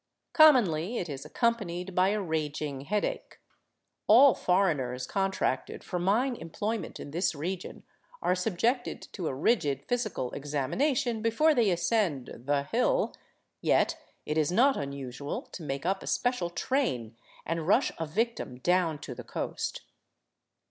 Commonly it is accompanied by a raging headache. All foreigners contracted for mine employment in this region are sub jected to a rigid physical examination before they ascend " the Hill," yet it is not unusual to make up a special train and rush a victim down .to the coast.